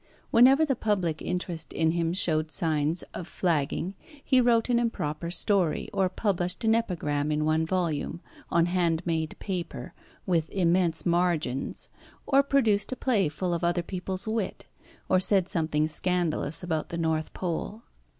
Whenever the public interest in him showed signs of flagging he wrote an improper story, or published an epigram in one volume, on hand made paper, with immense margins, or produced a play full of other people's wit, or said something scandalous about the North Pole.